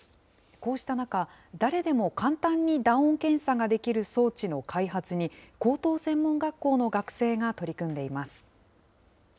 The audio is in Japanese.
こうした中、誰でも簡単に打音検査ができる装置の開発に、高等専門学校の学生が取り組んでいます。